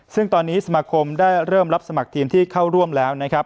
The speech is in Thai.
ซึ่งตอนนี้สมาคมได้เริ่มรับสมัครทีมที่เข้าร่วมแล้วนะครับ